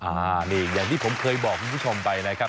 อันนี้อย่างที่ผมเคยบอกคุณผู้ชมไปนะครับ